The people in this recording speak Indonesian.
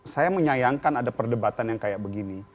saya menyayangkan ada perdebatan yang kayak begini